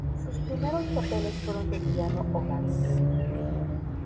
Sus primeros papeles fueron de villano o gángster.